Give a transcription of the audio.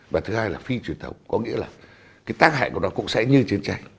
và thứ hai là phi truyền thống có nghĩa là cái tác hại của nó cũng sẽ như chiến tranh